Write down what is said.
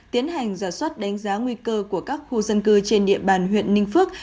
tiến hành giả soát đánh giá nguy cơ của các khu dân cư trên địa bàn huyện ninh phước